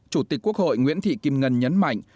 chủ tịch quốc hội nguyễn thị kim ngân nhấn mạnh